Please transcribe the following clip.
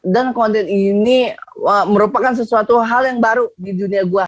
dan konten ini merupakan sesuatu hal yang baru di dunia gua